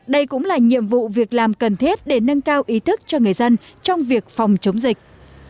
đây cũng là nhiệm vụ việc làm cần thiết để nâng cao ý thức cho người dân trong việc phòng chống dịch